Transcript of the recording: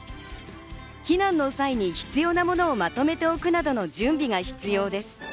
避難の際に必要なものをまとめておくなどの準備が必要です。